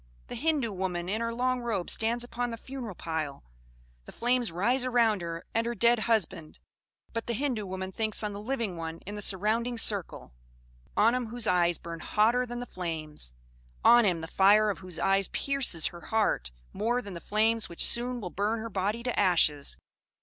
The Hindoo woman in her long robe stands upon the funeral pile; the flames rise around her and her dead husband, but the Hindoo woman thinks on the living one in the surrounding circle; on him whose eyes burn hotter than the flames on him, the fire of whose eyes pierces her heart more than the flames which soon will burn her body to ashes.